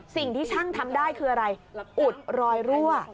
สิ่งที่ช่างทำได้คืออะไรอุดรอยรั่ว